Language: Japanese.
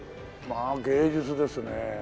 まあ芸術ですね。